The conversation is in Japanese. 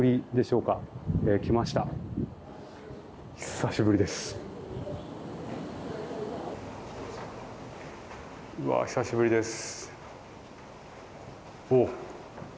久しぶりです。